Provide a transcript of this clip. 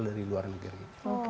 dari luar negeri